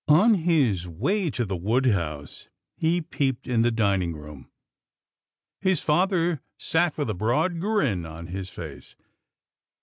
On his way to the wood house, he peeped in the dining room. His father sat with a broad grin on his face.